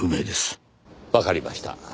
わかりました。